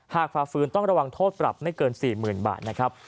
หากฝากฟื้นต้องระวังโทษปรับไม่เกิน๔๐๐๐๐บาท